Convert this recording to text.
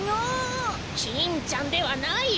キンちゃんではない。